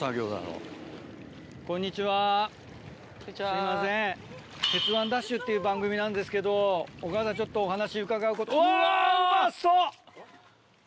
すいません『鉄腕！ＤＡＳＨ‼』っていう番組なんですけどお母さんちょっとお話伺うこと。